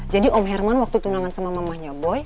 jadi om herman waktu tunangan sama mamahnya boy